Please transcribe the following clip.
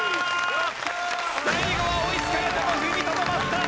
最後は追いつかれても踏みとどまった！